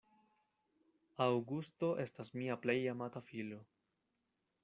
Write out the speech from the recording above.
Aŭgusto estas mia plej amata filo.